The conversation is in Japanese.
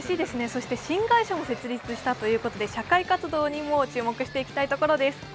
そして新会社も設立したということで社会活動にも注目していきたいところです。